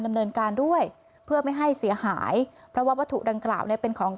ดำเนินการด้วยเพื่อไม่ให้เสียหายเพราะว่าวัตถุดังกล่าวเนี่ยเป็นของ